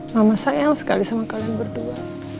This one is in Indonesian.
mama sayang sekali sama kalian berdua